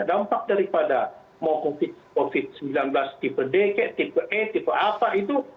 dampak daripada mau covid sembilan belas tipe d ke tipe e tipe apa itu